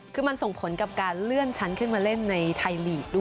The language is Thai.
คือมันส่งผลกับการเลื่อนชั้นขึ้นมาเล่นในไทยลีกด้วย